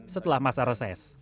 setelah masa reses